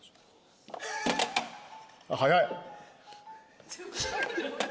早い。